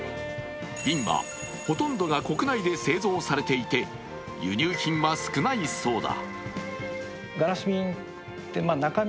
瓶はほとんどが国内で製造されていて、輸入品は少ないそうだ。